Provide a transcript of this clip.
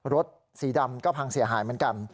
รถสีดำก็พังเสียหายเหมือนกัน